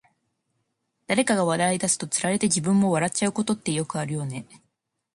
誰かが笑い出すと、つられて自分も笑っちゃうことってよくあるよね。